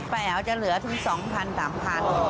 แผลวจะเหลือถึง๒๐๐๓๐๐บาท